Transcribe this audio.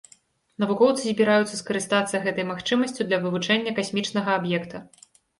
Навукоўцы збіраюцца скарыстацца гэтай магчымасцю для вывучэння касмічнага аб'екта.